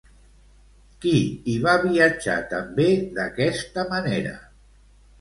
Qui hi va viatjar també d'aquesta manera?